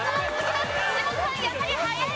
本さんやはり速い！